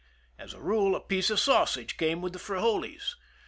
As a rule, a piece of sausage came with the frijoles.